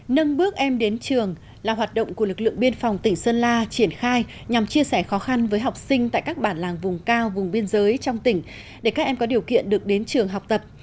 nâng bước em đến trường là hoạt động của lực lượng biên phòng tỉnh sơn la triển khai nhằm chia sẻ khó khăn với học sinh tại các bản làng vùng cao vùng biên giới trong tỉnh để các em có điều kiện được đến trường học tập